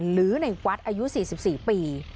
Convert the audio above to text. หรือในวัดอายุ๔๔ปี